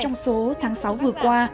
trong số tháng sáu vừa qua